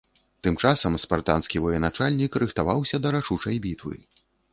Тым часам спартанскі военачальнік рыхтаваўся да рашучай бітвы.